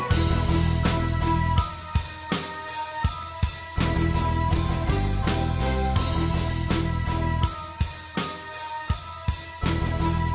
ก็ไม่น่าจะดังกึ่งนะ